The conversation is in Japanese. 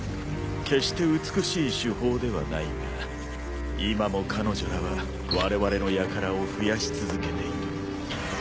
決して美しい手法ではないが今も彼女らはわれわれのやからを増やし続けている。